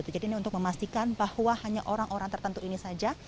jadi ini untuk memastikan bahwa hanya orang orang tertentu ini saja